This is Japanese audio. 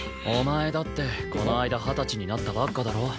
お前だってこの間二十歳になったばっかだろ。